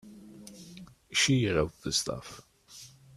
She wrote the stuff.